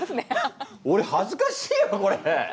おれはずかしいよこれ！